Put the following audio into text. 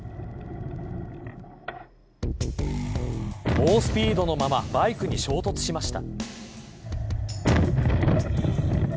猛スピードのままバイクに衝突しました。